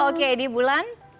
oke di bulan